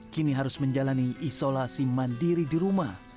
kini harus menjalani isolasi mandiri di rumah